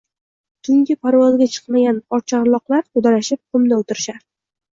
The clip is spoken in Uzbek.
Tungi parvozga chiqmagan oqcharloqlar to‘dalashib qumda o‘tirishar